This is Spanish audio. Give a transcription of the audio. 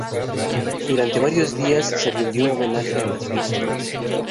Durante varios días se rindió homenaje a las víctimas.